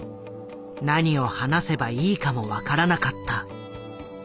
何を話せばいいかも分からなかった。